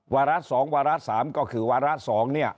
วาระ๒วาระ๓ก็คือวาระ๒เนี่ย